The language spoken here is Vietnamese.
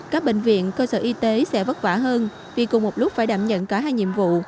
các bệnh viện cơ sở y tế sẽ vất vả hơn vì cùng một lúc phải đảm nhận cả hai nhiệm vụ